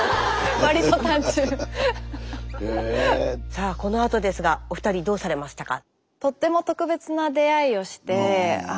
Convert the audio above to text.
さあこのあとですがお二人どうされましたか？